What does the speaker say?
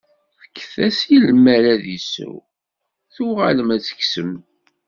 Fket-as i lmal ad isew, tuɣalem ad t-teksem.